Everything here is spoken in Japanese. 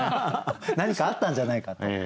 何かあったんじゃないかと。